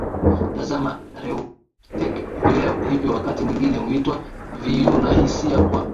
tazama Reuptake Vileo hivi wakati mwingine huitwa viinuahisia kwa